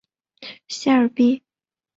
谢尔比。